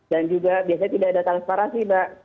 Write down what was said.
dan juga biasanya tidak ada transparansi mbak